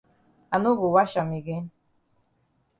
I no go wash am again.